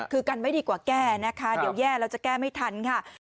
คือกันไม่ดีกว่าแก้นะคะเดี๋ยวแย่แล้วจะแก้ไม่ทันค่ะ